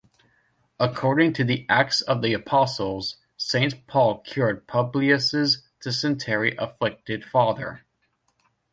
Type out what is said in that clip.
According to the Acts of the Apostles, Saint Paul cured Publius' dysentery-afflicted father.